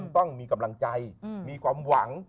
ต้องมีกำลังใจมีความหวัง